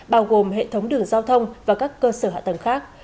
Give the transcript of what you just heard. bao gồm hệ thống đường giao thông và các cơ sở hạ tầng khác